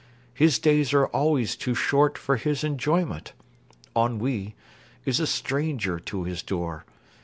His days are always too short for his enjoyment: ennui is a stranger to his door.